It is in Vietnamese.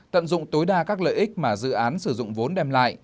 tận dụng tối đa các lợi ích mà dự án sử dụng vốn đem lại